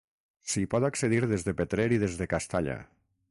S'hi pot accedir des de Petrer i des de Castalla.